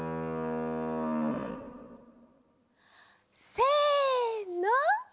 せの！